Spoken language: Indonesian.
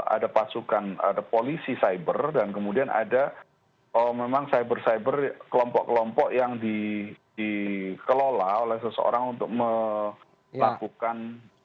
ada pasukan ada polisi cyber dan kemudian ada memang cyber cyber kelompok kelompok yang dikelola oleh seseorang untuk melakukan